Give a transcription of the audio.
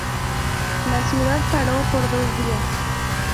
La ciudad paró por dos días.